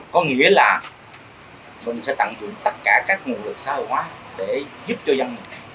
có nghĩa là mình sẽ tận dụng tất cả các nguồn lực xã hội hóa để giúp cho dân